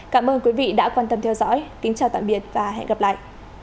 cảm ơn quý vị đã quan tâm theo dõi kính chào tạm biệt và hẹn gặp lại